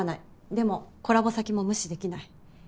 でもコラボ先も無視できない。